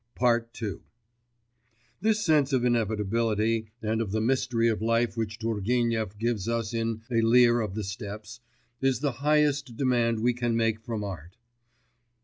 II This sense of inevitability and of the mystery of life which Turgenev gives us in A Lear of the Steppes is the highest demand we can make from art.